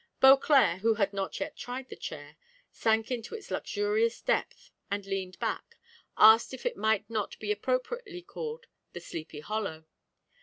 Beauclerc, who had not yet tried the chair, sank into its luxurious depth, and leaning back, asked if it might not be appropriately called the "Sleepy hollow."